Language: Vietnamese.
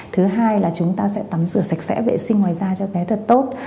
thứ hai là chúng ta sẽ tắm rửa sạch sẽ vệ sinh ngoài da cho bé thật tốt